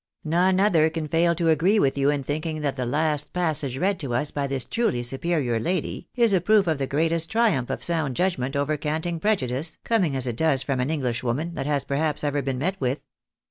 None other can fail to agree with you in thinking that the last passage read to us by this truly superior lady is a proof of the greatest triumph of sound judg ment over canting prejudice (coming as it does from an Enghsh woman) that has perhaps ever been met with.